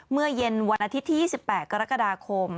เมื่อเย็นวันอาทิตย์ที่๒๘กรกฎาคม